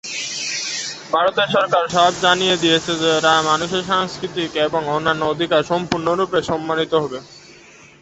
ভারত সরকার সাফ জানিয়ে দিয়েছে যে মানুষের সাংস্কৃতিক এবং অন্যান্য অধিকার সম্পূর্ণরূপে সম্মানিত হবে।